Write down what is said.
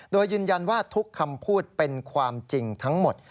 โดยยืนยันว่าทุกคำพูดเป็นความจริงทั้งหมด